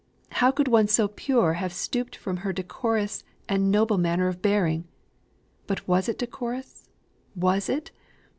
How could one so pure have stooped from her decorous and noble manner of bearing! But was it decorous was it?